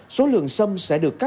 số lượng xâm sẽ được cắt